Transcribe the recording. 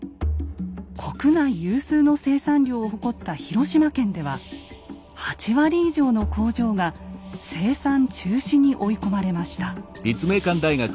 国内有数の生産量を誇った広島県では８割以上の工場が生産中止に追い込まれました。